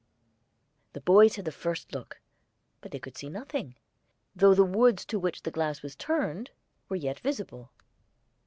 The boys had the first look; but they could see nothing, though the woods to which the glass was turned were yet visible.